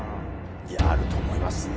いやあると思いますって。